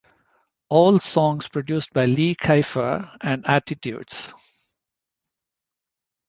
All songs produced by Lee Kiefer and Attitudes.